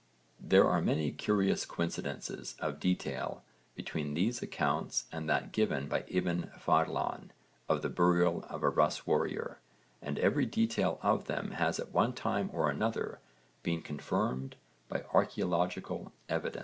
There are many curious coincidences of detail between these accounts and that given by Ibn Fadhlan of the burial of a Rûs warrior, and every detail of them has at one time or another been confirmed by archaeological evidence.